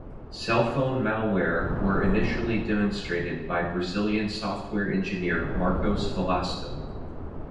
Cell phone malware were initially demonstrated by Brazilian software engineer Marcos Velasco.